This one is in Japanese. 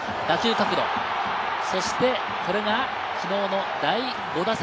そして、これが昨日の第５打席。